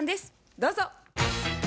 どうぞ。